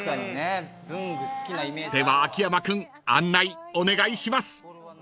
では秋山君案内お願いします］